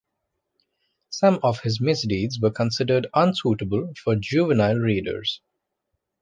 Some of his misdeeds were considered unsuitable for juvenile readers.